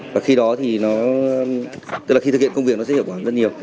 và khi đó thì nó tức là khi thực hiện công việc nó sẽ hiệu quả rất nhiều